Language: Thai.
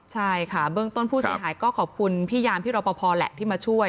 ใช่ค่ะเบื้องต้นผู้เสียหายก็ขอบคุณพี่ยามพี่รอปภแหละที่มาช่วย